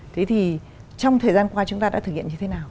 thế thì trong thời gian qua chúng ta đã thực hiện như thế nào